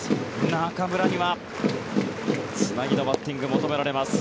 中村にはつなぎのバッティングが求められます。